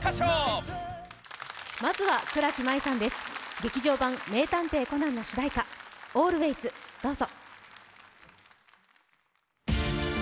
劇場版「名探偵コナン」の主題歌、「ａｌｗａｙｓ」、どうぞ。